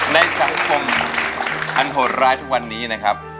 ในสังคมอันโหดร้ายทุกวันนี้นะครับ